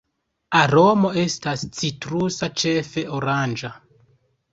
Aromo estas citrusa, ĉefe oranĝa.